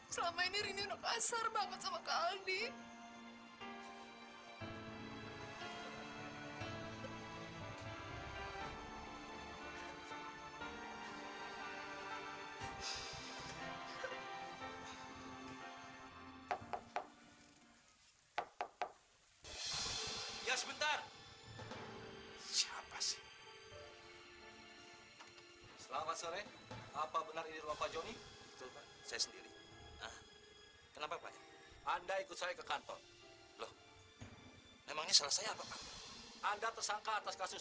sendiri anda ikut saya ke kantor memang salah saya apa anda tersangka atas kasus